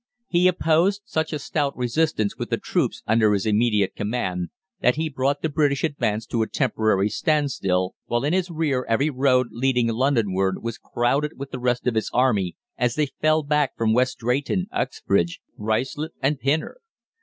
"He opposed such a stout resistance with the troops under his immediate command that he brought the British advance to a temporary standstill, while in his rear every road leading Londonward was crowded with the rest of his army as they fell back from West Drayton, Uxbridge, Ruislip and Pinner.